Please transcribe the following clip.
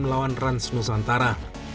melawan rans nusantara